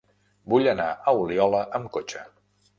Vull anar a Oliola amb cotxe.